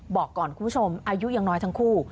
บอกก่อนคุณผู้ชมอายุยังน้อยทั้งคู่